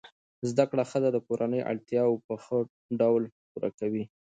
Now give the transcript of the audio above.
زده کړه ښځه د کورنۍ اړتیاوې په ښه ډول پوره کوي.